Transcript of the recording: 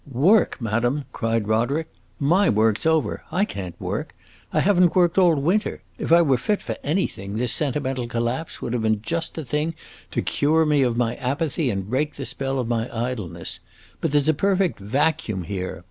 "Work, madame?" cried Roderick. "My work 's over. I can't work I have n't worked all winter. If I were fit for anything, this sentimental collapse would have been just the thing to cure me of my apathy and break the spell of my idleness. But there 's a perfect vacuum here!"